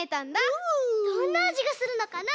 どんなあじがするのかな？